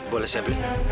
boleh saya beli